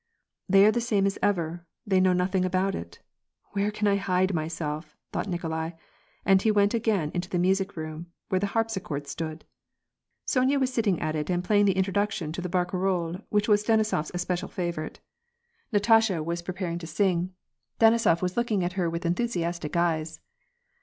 " They are the same as ever. They know nothing about it. Where can I hide myself ?" thought Nikolai, and he went again into the music room where the harpsichord stood. Sonya was sitting at it and playing the introduction to the barcarole which was Penisofs especial favorite. Natasha was 60 WAR AND PEACE. preparing to 'sing. Denisof was looking at her with enthusi astic eyes.